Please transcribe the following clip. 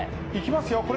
いきますよ